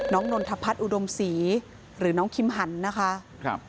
น้องนทพัฒน์อุดมศรีหรือน้องคิมหันน่ะค่ะ